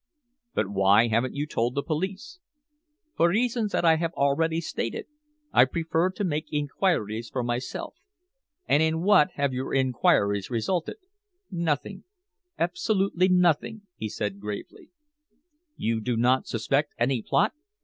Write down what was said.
"But why haven't you told the police?" "For reasons that I have already stated. I prefer to make inquiries for myself." "And in what have your inquiries resulted?" "Nothing absolutely nothing," he said gravely. "You do not suspect any plot?